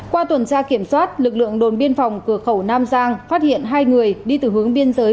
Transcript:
qua tuần tra kiểm soát lực lượng đồn biên phòng cửa khẩu nam giang phát hiện hai người đi từ hướng biên giới